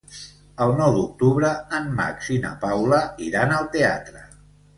El nou d'octubre en Max i na Paula iran al teatre.